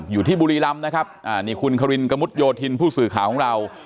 อยู่ที่บุรีรำคุณควินกะมุดโยธินผู้สื่อข่าวของเรา